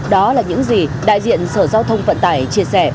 đó là những gì đại diện sở giao thông vận tải chia sẻ